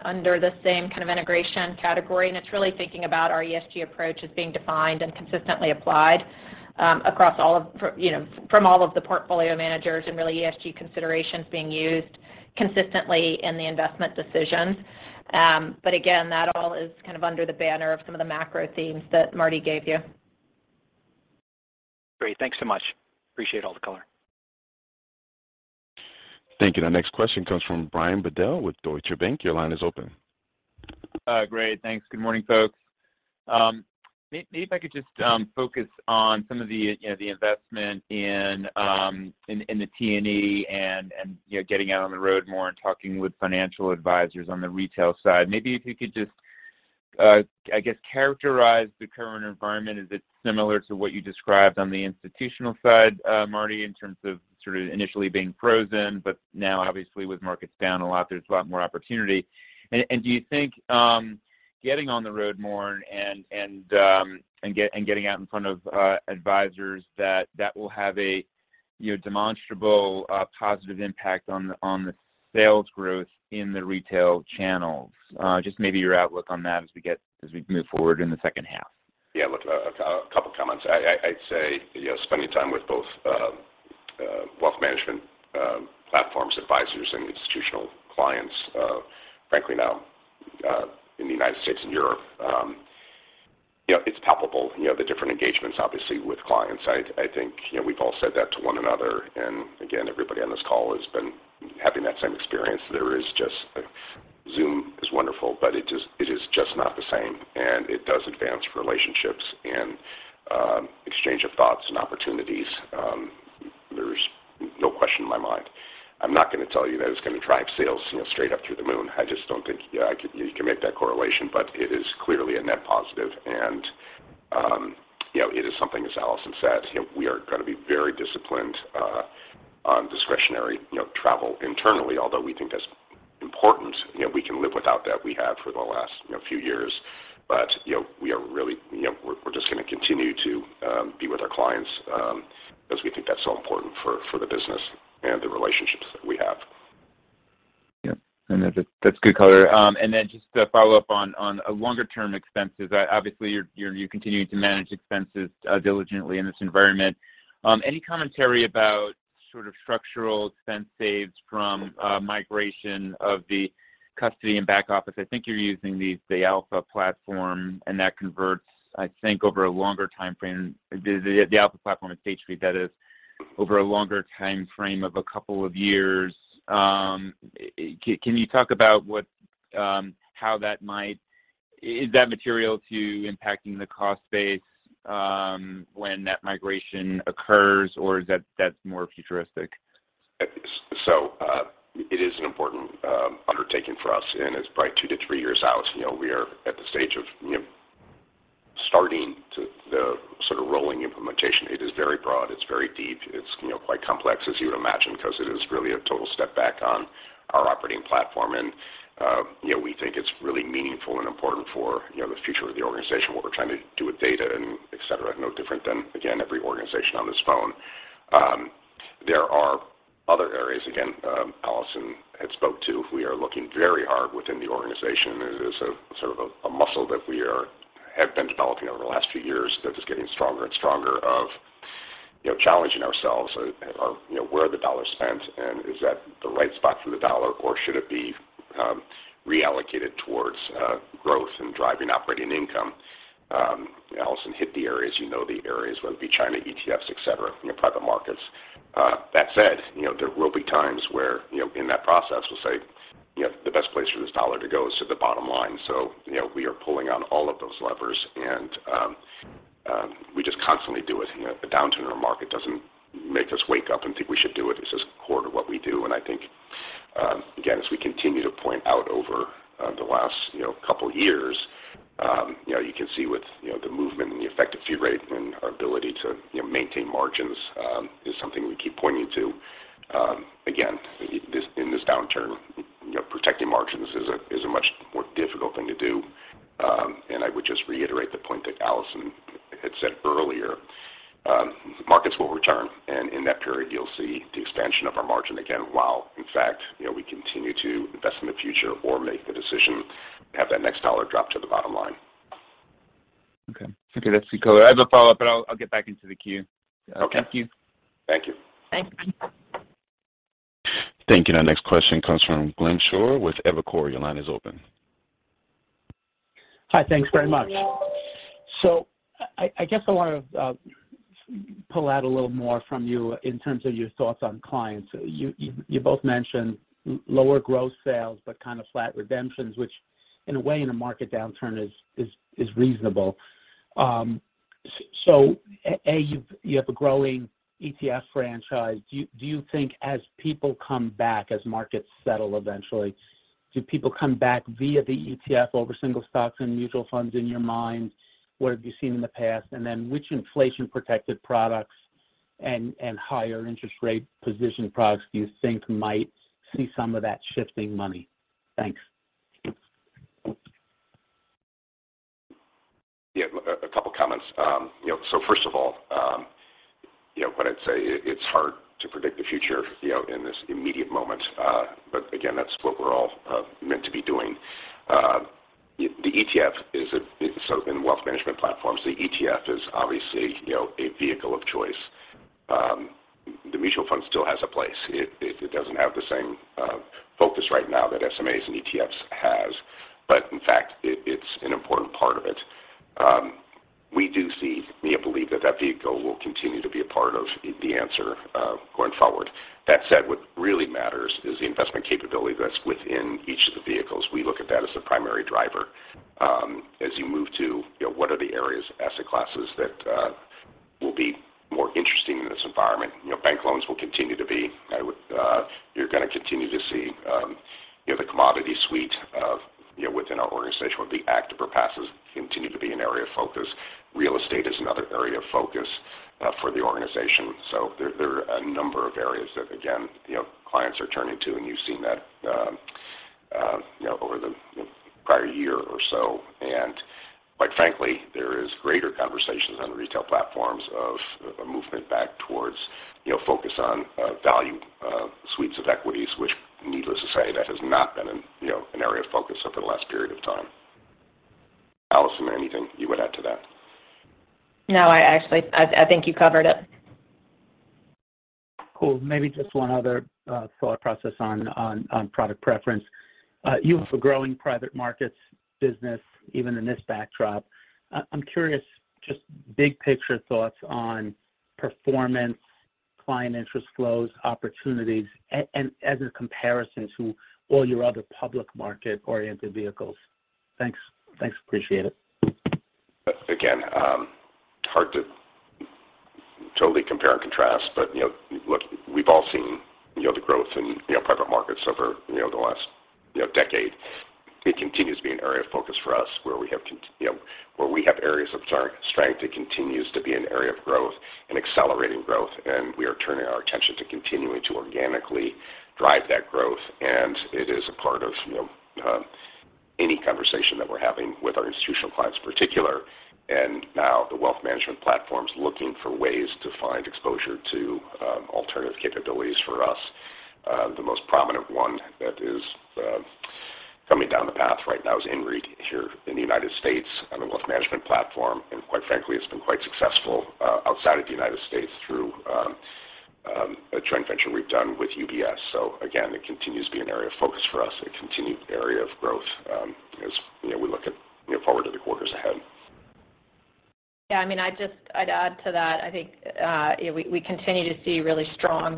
under the same kind of integration category, and it's really thinking about our ESG approach as being defined and consistently applied across all of you know, from all of the portfolio managers and really ESG considerations being used consistently in the investment decisions. That all is kind of under the banner of some of the macro themes that Marty gave you. Great. Thanks so much. Appreciate all the color. Thank you. The next question comes from Brian Bedell with Deutsche Bank. Your line is open. Great. Thanks. Good morning, folks. Maybe if I could just focus on some of the, you know, the investment in the T&E and, you know, getting out on the road more and talking with financial advisors on the retail side. Maybe if you could just, I guess, characterize the current environment. Is it similar to what you described on the institutional side, Marty, in terms of sort of initially being frozen, but now obviously with markets down a lot, there's a lot more opportunity. Do you think getting on the road more and getting out in front of advisors that that will have a, you know, demonstrable positive impact on the sales growth in the retail channels? Just maybe your outlook on that as we get. As we move forward in the second half. Yeah. Look, a couple comments. I'd say, you know, spending time with both, wealth management platforms, advisors, and institutional clients, frankly now, in the United States and Europe, you know, it's palpable, you know, the different engagements obviously with clients. I think, you know, we've all said that to one another, and again, everybody on this call has been having that same experience. There is just Zoom is wonderful, but it is just not the same, and it does advance relationships and, exchange of thoughts and opportunities. There's no question in my mind. I'm not gonna tell you that it's gonna drive sales, you know, straight up through the moon. I just don't think, you know, I can. You can make that correlation, but it is clearly a net positive, and you know, it is something, as Allison said, you know, we are gonna be very disciplined on discretionary travel internally. Although we think that's important, you know, we can live without that. We have for the last few years. You know, we're just gonna continue to be with our clients, because we think that's so important for the business and the relationships that we have. Yep. That's good color. Just to follow up on longer term expenses, obviously you're continuing to manage expenses diligently in this environment. Any commentary about sort of structural expense saves from migration of the custody and back office? I think you're using the Alpha platform, and that converts, I think over a longer timeframe. The Alpha platform at State Street, that is, over a longer timeframe of a couple of years. Can you talk about what how that might. Is that material to impacting the cost base, when that migration occurs, or is that more futuristic? It is an important undertaking for us, and it's probably 2-3 years out. You know, we are at the stage of, you know, starting to the sort of rolling implementation. It is very broad, it's very deep. It's, you know, quite complex, as you would imagine, because it is really a total step back on our operating platform. You know, we think it's really meaningful and important for, you know, the future of the organization, what we're trying to do with data and et cetera. No different than, again, every organization on this phone. There are other areas, again, Allison had spoken to. We are looking very hard within the organization. It is a sort of a muscle that we have been developing over the last few years that is getting stronger and stronger. You know, challenging ourselves, you know, where are the dollars spent, and is that the right spot for the dollar, or should it be reallocated towards growth and driving operating income. Allison hit the areas, you know the areas, whether it be China, ETFs, et cetera, you know, private markets. That said, you know, there will be times where, you know, in that process, we'll say, you know, the best place for this dollar to go is to the bottom line. You know, we are pulling on all of those levers, and we just constantly do it. You know, a downturn in the market doesn't make us wake up and think we should do it. This is core to what we do. I think, again, as we continue to point out over the last, you know, couple years, you know, you can see with the movement and the effective fee rate and our ability to maintain margins is something we keep pointing to. Again, in this downturn, you know, protecting margins is a much more difficult thing to do. I would just reiterate the point that Allison had said earlier. Markets will return, and in that period, you'll see the expansion of our margin again, while, in fact, you know, we continue to invest in the future or make the decision to have that next dollar drop to the bottom line. Okay. Okay, that's the color. I have a follow-up, but I'll get back into the queue. Okay. Thank you. Thank you. Thanks. Thank you. Now next question comes from Glenn Schorr with Evercore. Your line is open. Hi. Thanks very much. I guess I wanna pull out a little more from you in terms of your thoughts on clients. You both mentioned lower growth sales, but kind of flat redemptions, which in a way in a market downturn is reasonable. You have a growing ETF franchise. Do you think as people come back, as markets settle eventually, do people come back via the ETF over single stocks and mutual funds in your mind? What have you seen in the past? Which inflation-protected products and higher interest rate position products do you think might see some of that shifting money? Thanks. Yeah. A couple comments. You know, first of all, you know, what I'd say it's hard to predict the future, you know, in this immediate moment. But again, that's what we're all meant to be doing. The ETF is. In wealth management platforms, the ETF is obviously, you know, a vehicle of choice. The mutual fund still has a place. It doesn't have the same focus right now that SMAs and ETFs has, but in fact, it's an important part of it. We do see, we believe that that vehicle will continue to be a part of the answer, going forward. That said, what really matters is the investment capability that's within each of the vehicles. We look at that as the primary driver, as you move to, you know, what are the areas, asset classes that will be more interesting in this environment. You know, bank loans will continue to be. You're gonna continue to see, you know, the commodity suite of, you know, within our organization with the active ETFs continue to be an area of focus. Real estate is another area of focus for the organization. There are a number of areas that again, you know, clients are turning to, and you've seen that, you know, over the prior year or so. Quite frankly, there is greater conversations on retail platforms of a movement back towards, you know, focus on value suites of equities, which needless to say, that has not been, you know, an area of focus over the last period of time. Allison, anything you would add to that? No. I actually, I think you covered it. Cool. Maybe just one other thought process on product preference. You have a growing private markets business even in this backdrop. I'm curious, just big picture thoughts on performance, client interest flows, opportunities, and as a comparison to all your other public market-oriented vehicles. Thanks. Thanks, appreciate it. Again, hard to totally compare and contrast, but, you know, look, we've all seen, you know, the growth in, you know, private markets over, you know, the last, you know, decade. It continues to be an area of focus for us, where we have areas of strength, it continues to be an area of growth and accelerating growth, and we are turning our attention to continuing to organically drive that growth. It is a part of, you know, any conversation that we're having with our institutional clients, in particular. Now the wealth management platform's looking for ways to find exposure to alternative capabilities for us. The most prominent one that is coming down the path right now is Invesco Real Estate here in the United States on the wealth management platform. Quite frankly, it's been quite successful outside of the United States through a joint venture we've done with UBS. Again, it continues to be an area of focus for us, a continued area of growth, as you know, we look forward to the quarters ahead. Yeah. I mean, I'd add to that. I think, you know, we continue to see really strong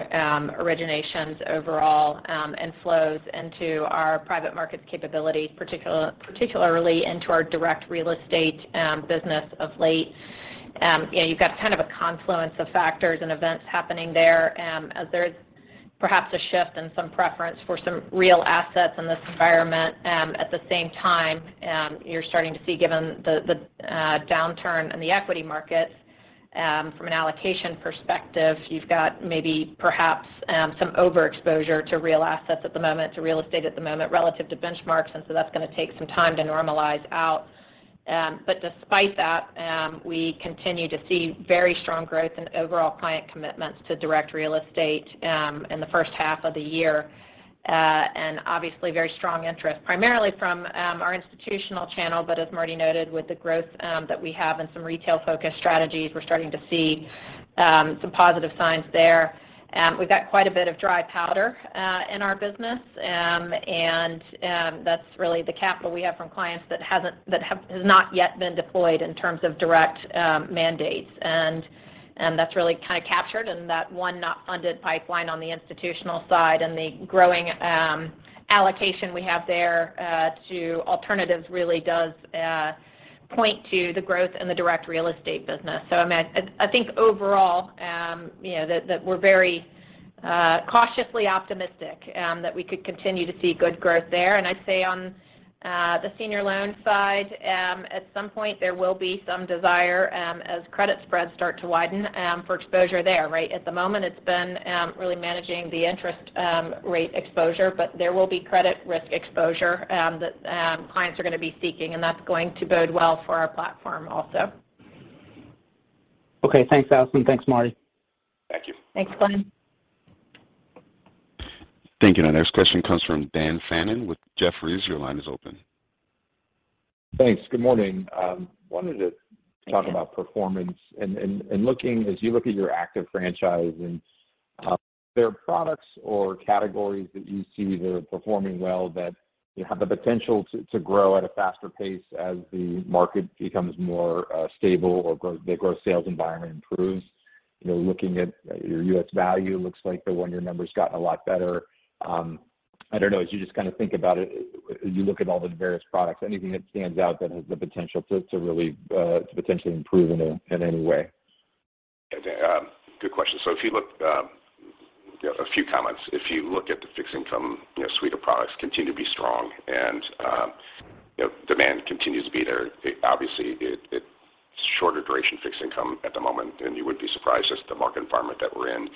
originations overall, and flows into our private markets capability, particularly into our direct real estate business of late. You know, you've got kind of a confluence of factors and events happening there, as there's perhaps a shift in some preference for some real assets in this environment. At the same time, you're starting to see, given the downturn in the equity markets, from an allocation perspective, you've got maybe perhaps some overexposure to real assets at the moment, to real estate at the moment relative to benchmarks, and so that's gonna take some time to normalize out. Despite that, we continue to see very strong growth in overall client commitments to direct real estate in the first half of the year. Obviously very strong interest, primarily from our institutional channel. As Marty noted, with the growth that we have in some retail-focused strategies, we're starting to see some positive signs there. We've got quite a bit of dry powder in our business. That's really the capital we have from clients that has not yet been deployed in terms of direct mandates. That's really captured in that unfunded pipeline on the institutional side. The growing allocation we have there to alternatives really does point to the growth in the direct real estate business. I mean, I think overall, you know, that we're very cautiously optimistic that we could continue to see good growth there. I'd say on the senior loan side, at some point there will be some desire as credit spreads start to widen for exposure there, right? At the moment, it's been really managing the interest rate exposure, but there will be credit risk exposure that clients are gonna be seeking, and that's going to bode well for our platform also. Okay. Thanks, Allison. Thanks, Marty. Thank you. Thanks, Glenn. Thank you. Our next question comes from Daniel Fannon with Jefferies. Your line is open. Thanks. Good morning. Talk about performance and looking as you look at your active franchise and their products or categories that you see that are performing well, that you have the potential to grow at a faster pace as the market becomes more stable or the growth sales environment improves. You know, looking at your US value, looks like the one-year number's gotten a lot better. I don't know, as you just kinda think about it, you look at all the various products, anything that stands out that has the potential to really to potentially improve in any way? Yeah. Good question. If you look, you know, a few comments. If you look at the fixed income, you know, suite of products continue to be strong, and, you know, demand continues to be there. Obviously it's shorter duration fixed income at the moment, and you would be surprised just the market environment that we're in.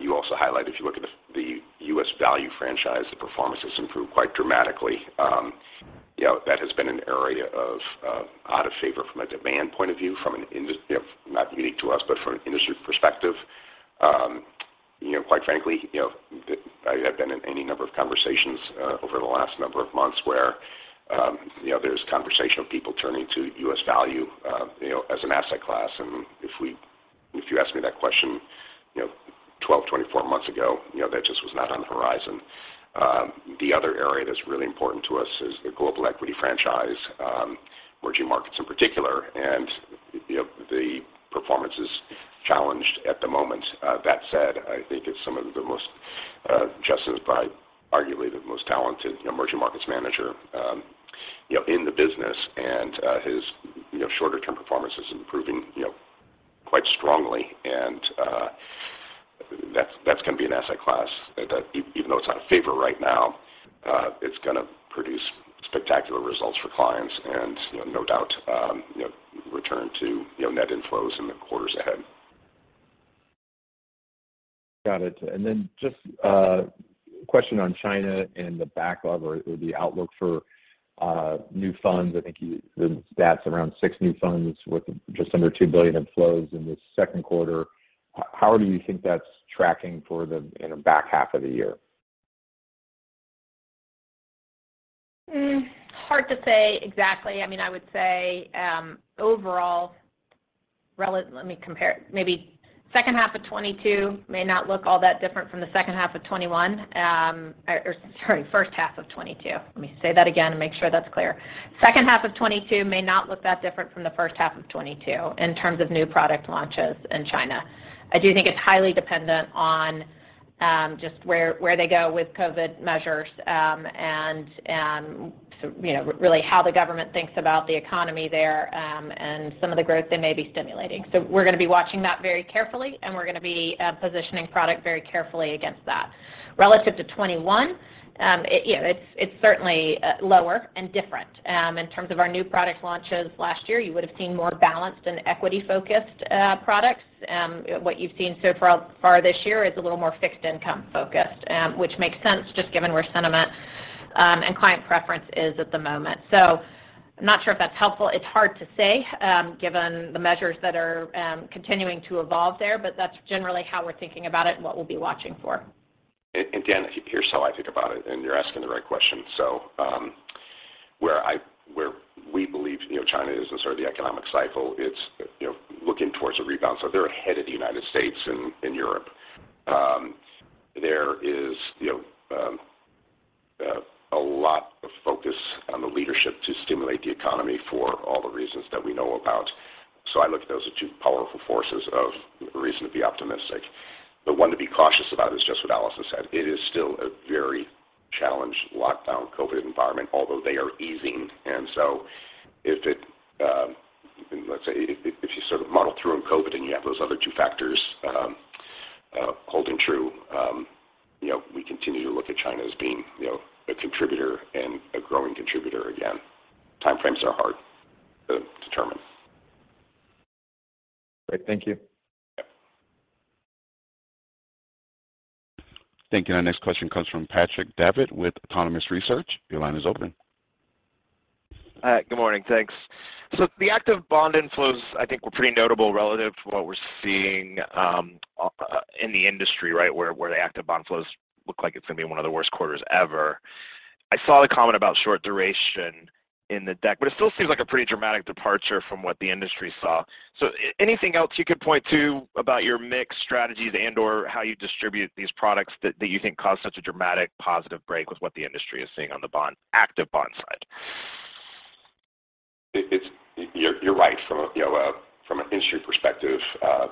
You also highlight, if you look at the US value franchise, the performance has improved quite dramatically. You know, that has been an area of out of favor from a demand point of view. You know, not unique to us, but from an industry perspective. You know, quite frankly, you know, I have been in any number of conversations over the last number of months where, you know, there's conversation of people turning to US value, you know, as an asset class. If you asked me that question, you know, 12, 24 months ago, you know, that just was not on the horizon. The other area that's really important to us is the global equity franchise, emerging markets in particular. You know, the performance is challenged at the moment. That said, I think it's some of the most, Justin's probably arguably the most talented emerging markets manager, you know, in the business. His, you know, shorter term performance is improving, you know, quite strongly. That's gonna be an asset class that even though it's out of favor right now, it's gonna produce spectacular results for clients and, you know, no doubt, you know, return to, you know, net inflows in the quarters ahead. Got it. Just a question on China and the backlog or the outlook for new funds. I think the stats around 6 new funds with just under $2 billion inflows in this second quarter. How do you think that's tracking for the, you know, back half of the year? Hard to say exactly. I mean, I would say overall. Let me compare. Maybe second half of 2022 may not look all that different from the second half of 2021. Or sorry, first half of 2022. Let me say that again and make sure that's clear. Second half of 2022 may not look that different from the first half of 2022 in terms of new product launches in China. I do think it's highly dependent on just where they go with COVID measures, and so you know, really how the government thinks about the economy there, and some of the growth they may be stimulating. We're gonna be watching that very carefully, and we're gonna be positioning product very carefully against that. Relative to 2021, you know, it's certainly lower and different. In terms of our new product launches last year, you would've seen more balanced and equity-focused products. What you've seen so far this year is a little more fixed income focused, which makes sense just given where sentiment and client preference is at the moment. I'm not sure if that's helpful. It's hard to say, given the measures that are continuing to evolve there, but that's generally how we're thinking about it and what we'll be watching for. Dan, here's how I think about it, and you're asking the right question. Where we believe, you know, China is in sort of the economic cycle, it's, you know, looking towards a rebound. They're ahead of the United States and Europe. There is, you know, a lot of focus on the leadership to stimulate the economy for all the reasons that we know about. I look at those as two powerful forces of reason to be optimistic. The one to be cautious about is just what Allison said. It is still a very challenged lockdown COVID environment, although they are easing. If you sort of muddle through in COVID and you have those other two factors holding true, you know, we continue to look at China as being, you know, a contributor and a growing contributor again. Time frames are hard to determine. Great. Thank you. Yeah. Thank you. Our next question comes from Patrick Davitt with Autonomous Research. Your line is open. Good morning. Thanks. The active bond inflows, I think, were pretty notable relative to what we're seeing in the industry, right? Where the active bond flows look like it's gonna be one of the worst quarters ever. I saw the comment about short duration in the deck, but it still seems like a pretty dramatic departure from what the industry saw. Anything else you could point to about your mix strategies and/or how you distribute these products that you think caused such a dramatic positive break with what the industry is seeing on the bond, active bond side? You're right. From a, you know, an industry perspective,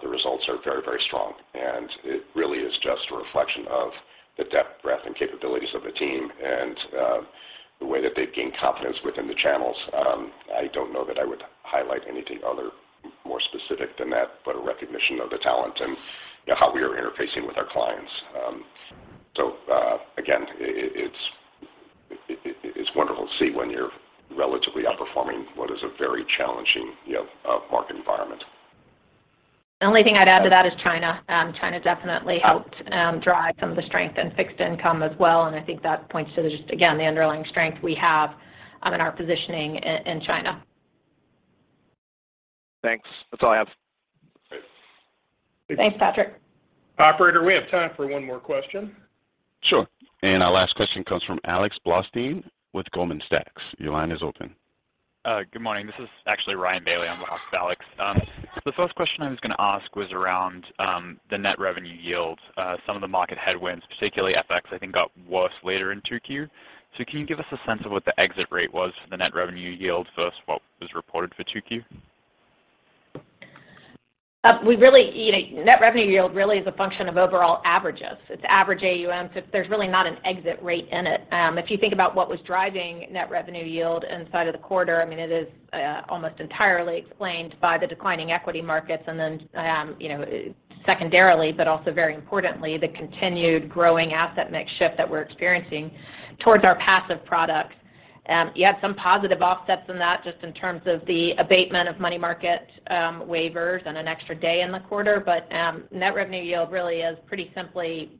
the results are very, very strong, and it really is just a reflection of the depth, breadth, and capabilities of the team and the way that they've gained confidence within the channels. I don't know that I would highlight anything other more specific than that, but a recognition of the talent and, you know, how we are interfacing with our clients. It's wonderful to see when you're relatively outperforming what is a very challenging, you know, market environment. The only thing I'd add to that is China. China definitely helped drive some of the strength in fixed income as well, and I think that points to just, again, the underlying strength we have in our positioning in China. Thanks. That's all I have. Great. Thanks, Patrick. Operator, we have time for one more question. Sure. Our last question comes from Alex Blostein with Goldman Sachs. Your line is open. Good morning. This is actually Ryan Bailey. I'm with Alex Blostein. The first question I was gonna ask was around the net revenue yield. Some of the market headwinds, particularly FX, I think got worse later in 2Q. Can you give us a sense of what the exit rate was for the net revenue yield versus what was reported for 2Q? We really, you know, net revenue yield really is a function of overall averages. It's average AUM, so there's really not an exit rate in it. If you think about what was driving net revenue yield inside of the quarter, I mean, it is almost entirely explained by the declining equity markets. You know, secondarily, but also very importantly, the continued growing asset mix shift that we're experiencing towards our passive products. You had some positive offsets in that just in terms of the abatement of money market waivers and an extra day in the quarter. Net revenue yield really is pretty simply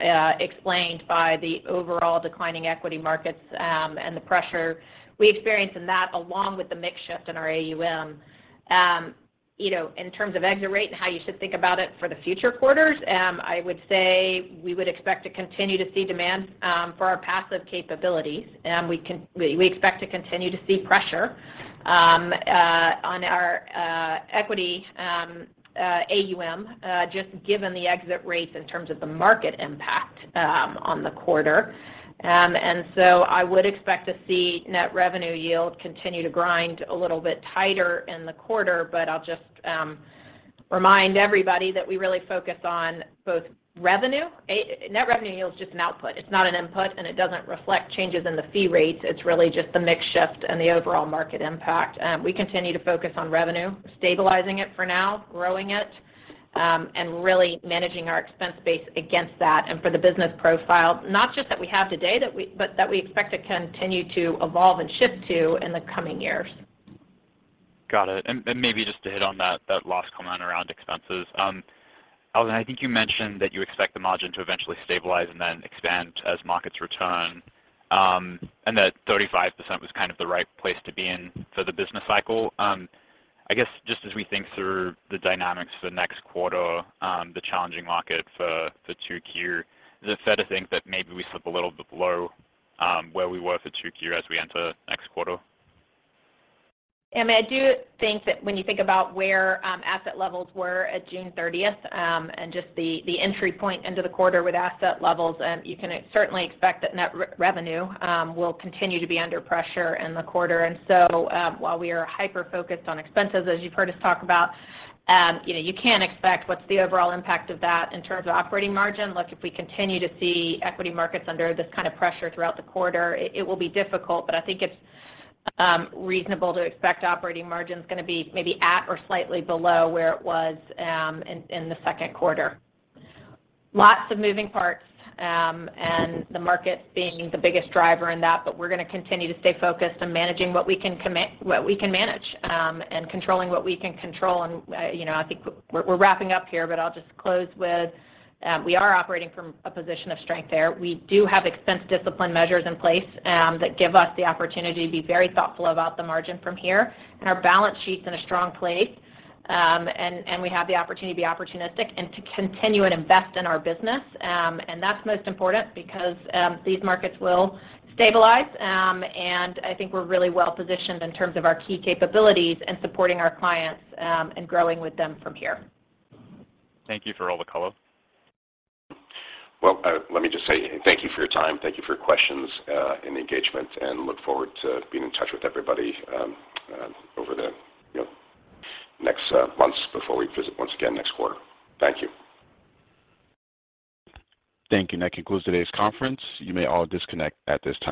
explained by the overall declining equity markets and the pressure we experienced in that along with the mix shift in our AUM. You know, in terms of exit rate and how you should think about it for the future quarters, I would say we would expect to continue to see demand for our passive capabilities. We expect to continue to see pressure on our equity AUM just given the exit rates in terms of the market impact on the quarter. I would expect to see net revenue yield continue to grind a little bit tighter in the quarter, but I'll just remind everybody that we really focus on both revenue. Net revenue yield is just an output. It's not an input, and it doesn't reflect changes in the fee rates. It's really just the mix shift and the overall market impact. We continue to focus on revenue, stabilizing it for now, growing it, and really managing our expense base against that and for the business profile. Not just that we have today, but that we expect to continue to evolve and shift to in the coming years. Got it. Maybe just to hit on that last comment around expenses. Allison, I think you mentioned that you expect the margin to eventually stabilize and then expand as markets return, and that 35% was kind of the right place to be in for the business cycle. I guess just as we think through the dynamics for next quarter, the challenging market for 2Q, is it fair to think that maybe we slip a little bit below where we were for 2Q as we enter next quarter? I mean, I do think that when you think about where asset levels were at June 30th, and just the entry point into the quarter with asset levels, you can certainly expect that net revenue will continue to be under pressure in the quarter. While we are hyper-focused on expenses, as you've heard us talk about, you know, you can expect what's the overall impact of that in terms of operating margin. Look, if we continue to see equity markets under this kind of pressure throughout the quarter, it will be difficult. I think it's reasonable to expect operating margin's gonna be maybe at or slightly below where it was in the second quarter. Lots of moving parts, and the market being the biggest driver in that, but we're gonna continue to stay focused on managing what we can manage, and controlling what we can control. You know, I think we're wrapping up here, but I'll just close with, we are operating from a position of strength there. We do have expense discipline measures in place, that give us the opportunity to be very thoughtful about the margin from here. Our balance sheet's in a strong place, and we have the opportunity to be opportunistic and to continue to invest in our business. That's most important because these markets will stabilize. I think we're really well-positioned in terms of our key capabilities in supporting our clients, and growing with them from here. Thank you for all the color. Well, let me just say thank you for your time, thank you for your questions, and engagement, and look forward to being in touch with everybody over the you know next months before we visit once again next quarter. Thank you. Thank you. That concludes today's conference. You may all disconnect at this time.